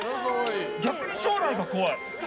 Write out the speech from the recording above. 逆に将来が怖い。